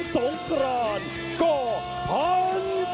สร้างการที่กระทะนัก